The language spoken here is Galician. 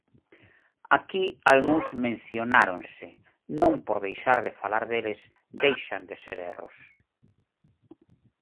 Aquí algúns mencionáronse, non por deixar de falar deles deixan de ser erros.